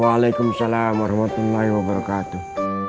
waalaikumsalam warahmatullahi wabarakatuh